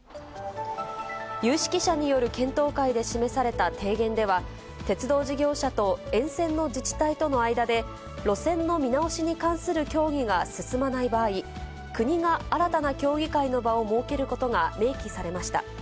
有識者による検討会で示された提言では、鉄道事業者と沿線の自治体との間で、路線の見直しに関する協議が進まない場合、国が新たな協議会の場を設けることが明記されました。